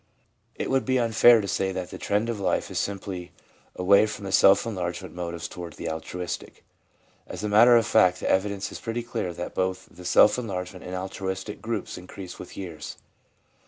It would be unfair to say that the trend of life is simply away from the self enlargement motives towards the altruistic. As a matter of fact, the evidence is pretty clear that both the self enlargement and altruistic groups increase with years.